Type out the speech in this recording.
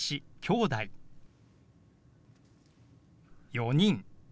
「４人」。